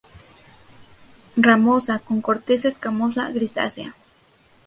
Ramosa, con corteza escamosa grisácea.